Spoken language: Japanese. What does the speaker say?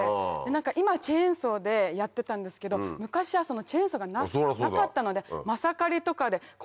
今チェーンソーでやってたんですけど昔はチェーンソーがなかったので。